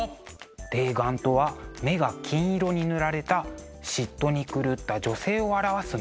泥眼とは目が金色に塗られた嫉妬に狂った女性を表す面のこと。